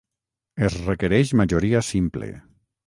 Es requereix majoria simple.